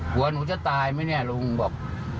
กลัวหนูจะตายมั้ยเนี่ยลุงบอก